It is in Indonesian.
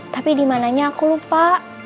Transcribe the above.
tapi dimananya aku lupa